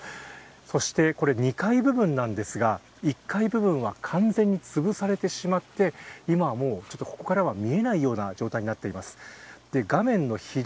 そして、これ２階部分なんですが１階部分は完全に潰されてしまって、今はもうここからは見えないような状態になっています。